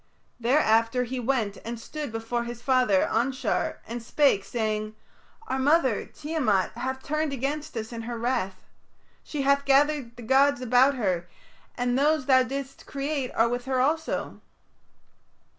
Thereafter he went and stood before his father, Anshar, and spake, saying, "Our mother, Tiamat, hath turned against us in her wrath. She hath gathered the gods about her, and those thou didst create are with her also."